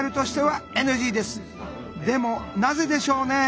でもなぜでしょうね。